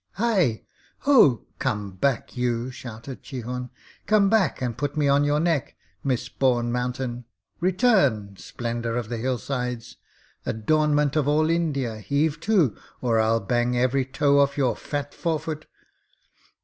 'Hi! ho! Come back you,' shouted Chihun. 'Come back, and put me on your neck, Misborn Mountain. Return, Splendour of the Hillsides. Adornment of all India, heave to, or I'll bang every toe off your fat forefoot!'